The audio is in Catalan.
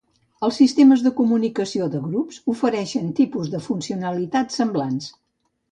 Els sistemes de comunicació de grups ofereixen tipus de funcionalitat semblants.